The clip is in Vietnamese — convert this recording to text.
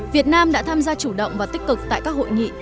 việt nam đã tham gia chủ động và tích cực tại các hội nghị